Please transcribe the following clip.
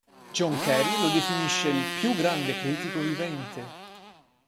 John Carey lo definisce il "più grande critico vivente".